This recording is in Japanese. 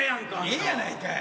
ええやないかい。